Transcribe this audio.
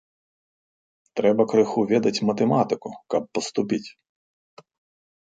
Трэба крыху ведаць матэматыку, каб паступіць.